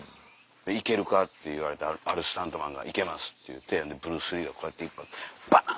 「いけるか？」って言われてあるスタントマンが「いけます」って言うてブルース・リーがこうやってバン！